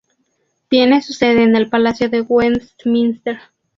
Tiene su sede en el Palacio de Westminster.